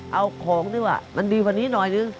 เอาของดีกว่ามันดีกว่านี้หน่อยนึง